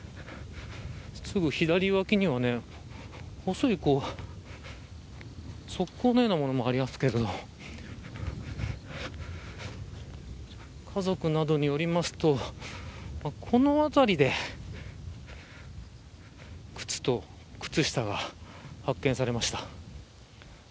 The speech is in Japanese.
すぐ左脇には細い側溝のようなものもありますけど家族などによりますとこの辺りで靴と靴下が発見されました。